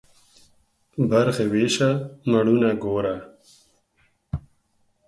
برخي ويشه ، مړونه گوره.